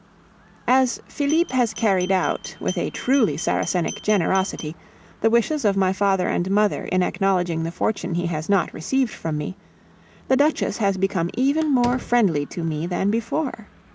As Felipe has carried out, with a truly Saracenic generosity, the wishes of my father and mother in acknowledging the fortune he has not received from me, the Duchess has become even more friendly to me than before.